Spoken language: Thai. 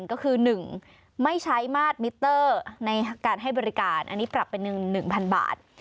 ก็คือ๑ไม่ใช้มาตรมิเตอร์ในการให้บริการอันนี้ปรับเป็น๑๐๐๐บาท